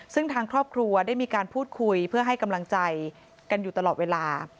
ซึ่งทางครอบครัวได้มีการพูดคุยเพื่อให้กำลังใจกันอยู่ตลอดเวลา